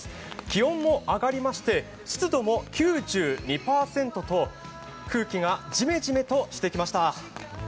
気温も上がりまして湿度も９２％と空気がジメジメとしてきました。